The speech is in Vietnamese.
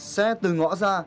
xe từ ngõ ra